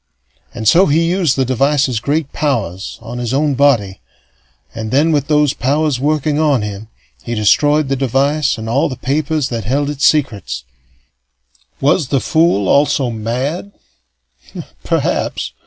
And so he used the device's great powers on his own body; and then, with those powers working on him, he destroyed the device and all the papers that held its secrets. Was the fool also mad? Perhaps.